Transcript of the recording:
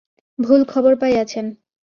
ভুল খবর পাইয়াছেন।